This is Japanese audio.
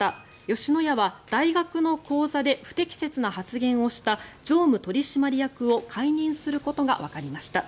吉野家は大学の講座で不適切な発言をした常務取締役を解任することがわかりました。